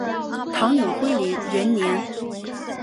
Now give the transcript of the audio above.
唐永徽元年。